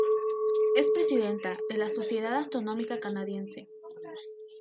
Es presidenta de la Sociedad Astronómica canadiense.